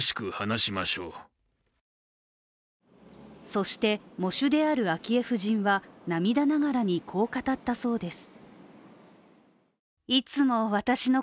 そして、喪主である昭恵夫人は涙ながらにこう語ったそうです。